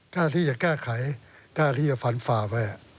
กล้าที่จะแก้ไขกล้าที่จะฝันฝ่าไป